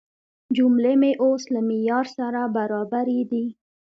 جملې مې اوس له معیار سره برابرې دي.